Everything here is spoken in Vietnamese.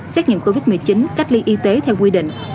xét nghiệm covid một mươi chín cách ly y tế theo quy định